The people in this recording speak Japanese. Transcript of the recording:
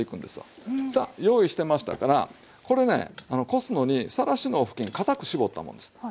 さあ用意してましたからこれねこすのにさらしの布巾固く絞ったものです。